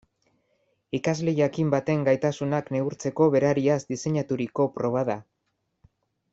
Ikasle jakin baten gaitasunak neurtzeko berariaz diseinaturiko proba da.